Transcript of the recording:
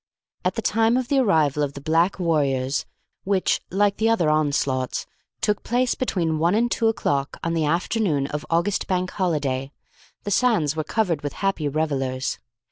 At the time of the arrival of the black warriors which, like the other onslaughts, took place between one and two o'clock on the afternoon of August Bank Holiday, the sands were covered with happy revellers.